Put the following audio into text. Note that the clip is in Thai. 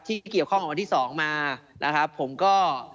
ที่เกี่ยวข้องกับวันที่สองมานะครับผมก็